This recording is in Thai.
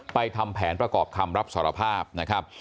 ทำแผนประกอบคำรับสารภาพนะครับ